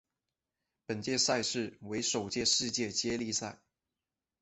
本届赛事为首届世界接力赛。